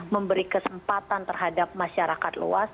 memberi kesempatan terhadap masyarakat luas